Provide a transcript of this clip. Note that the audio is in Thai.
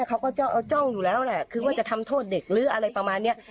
เขาก็เอาจ้องอยู่แล้วแหละคือว่าจะทำโทษเด็กหรืออะไรประมาณนี้